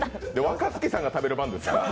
若槻さんが食べる番ですから。